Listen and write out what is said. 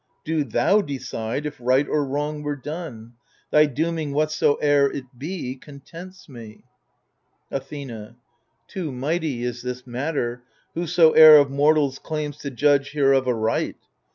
Do thou decide if right or wrong were done — Thy dooming, whatsoe'er it be, contents me. Athena Too mighty is this matter, whosoe'er Of mortals claims to judge hereof aright.